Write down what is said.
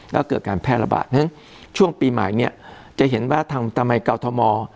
ก็เกิดการแพร่ระบาดนั้นช่วงปีใหม่เนี่ยจะเห็นว่าทางทำไมกรทม